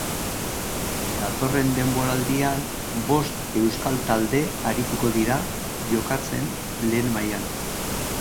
Datorren denboraldian bost euskal talde arituko dira jokatzen lehen mailan.